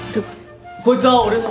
こいつは俺の